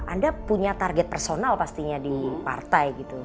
anda punya target personal pastinya di partai gitu